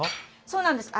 そうなんです。